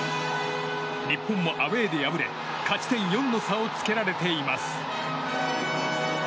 日本もアウェーで敗れ勝ち点４の差をつけられています。